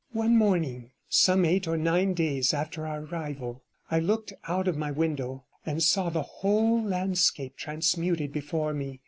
One morning, some eight or nine days after our arrival, I looked out of my window and saw the whole landscape transmuted before me.